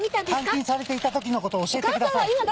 監禁されていた時のことを教えてください。